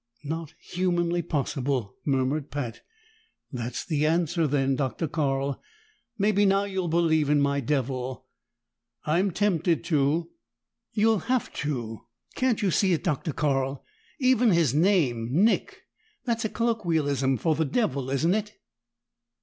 "Not humanly possible," murmured Pat. "That's the answer, then, Dr. Carl. Maybe now you'll believe in my devil." "I'm tempted to." "You'll have to! Can't you see it, Dr. Carl? Even his name, Nick that's a colloquialism for the devil, isn't it?"